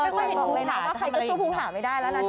เออไม่ได้บอกเลยนะว่าใครก็สู้ภูผ่าไม่ได้แล้วนะทุกคน